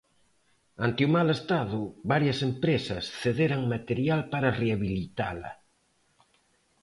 Ante o mal estado, varias empresas cederan material para rehabilitala.